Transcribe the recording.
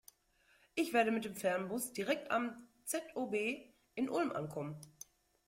Ich werde mit dem Fernbus direkt am ZOB in Ulm ankommen.